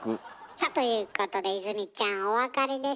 さあということで泉ちゃんお分かりでしたか？